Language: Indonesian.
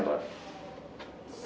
tapi senyataannya pak